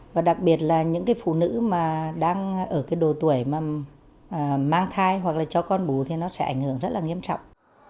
và đặc biệt là những cái phụ nữ mà đang ở cái đồ tuổi mà mang thai hoặc là cho con bú thì nó sẽ ảnh hưởng rất là nghiêm trọng